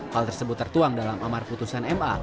hal tersebut tertuang dalam amar putusan ma